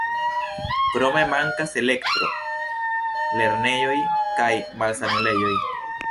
Krome mankas elektro, lernejoj kaj malsanulejoj.